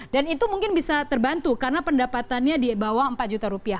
dan itu mungkin bisa terbantu karena pendapatannya di bawah empat juta rupiah